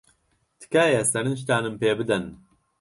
تکایە سەرنجتانم پێ بدەن.